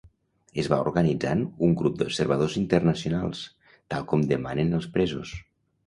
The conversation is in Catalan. Es va organitzant un grup d’observadors internacionals, tal com demanen els presos.